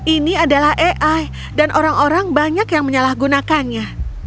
ini adalah ai dan orang orang banyak yang menyalahgunakannya